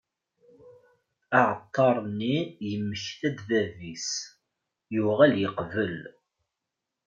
Aεeṭṭar-nni yemmekta-d bab-is, yuγal yeqbel.